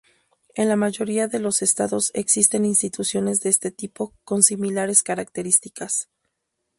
En la mayoría de los Estados existen instituciones de este tipo, con similares características.